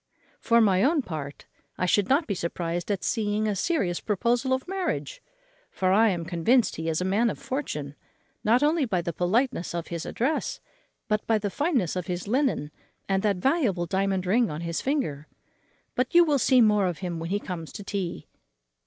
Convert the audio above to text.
For my own part, I should not be surprized at seeing a serious proposal of marriage: for I am convinced he is a man of fortune, not only by the politeness of his address, but by the fineness of his linen, and that valuable diamond ring on his finger. But you will see more of him when he comes to tea."